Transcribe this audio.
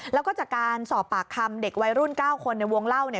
แล้วก็จากการสอบปากคำเด็กวัยรุ่น๙คนในวงเล่าเนี่ย